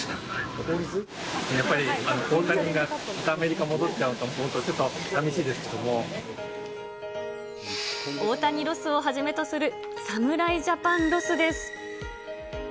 やっぱり大谷がまたアメリカ戻っちゃうと思うと、ちょっと寂大谷ロスをはじめとする侍ジャパンロスです。